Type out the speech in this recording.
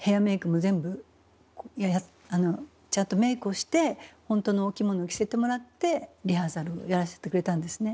ちゃんとメークをしてほんとのお着物を着せてもらってリハーサルやらせてくれたんですね。